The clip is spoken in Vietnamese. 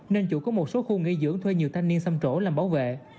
nên chủ có một số khu nghỉ dưỡng thuê nhiều thanh niên xâm trổ làm bảo vệ